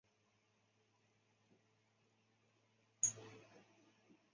当时的大部份年轻人还是依旧偏好于英文歌曲和国语歌曲。